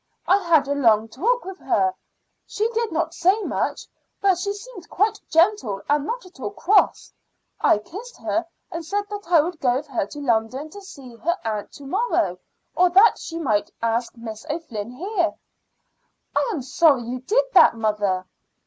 I had a long talk with her. She did not say much, but she seemed quite gentle and not at all cross. I kissed her and said that I would go with her to London to see her aunt to morrow, or that she might ask Miss O'Flynn here." "I am sorry you did that, mother."